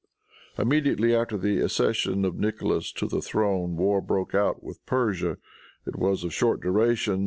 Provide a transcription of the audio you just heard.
"] Immediately after the accession of Nicholas to the throne, war broke out with Persia. It was of short duration.